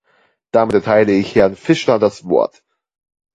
Damit erteile ich Herrn Fischler das Wort.